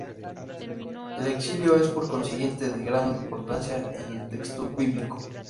El Exilio es por consiguiente de gran importancia en el texto bíblico.